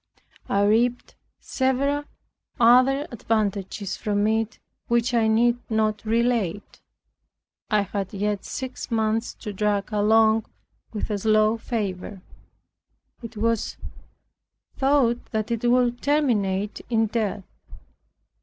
I reaped several other advantages from it which I need not relate, I had yet six months to drag along with a slow fever. It was thought that it would terminate in death.